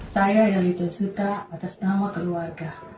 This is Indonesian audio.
saya yalit tawisuta atas nama keluarga